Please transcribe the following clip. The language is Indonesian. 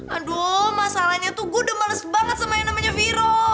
aduh masalahnya tuh gue udah males banget sama yang namanya viro